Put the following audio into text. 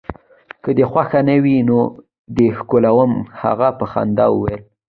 که دي خوښه نه وي، نه دي ښکلوم. هغه په خندا وویل.